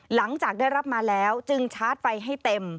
หลังจากได้รับมาแล้วจึงชาร์จไฟให้เต็ม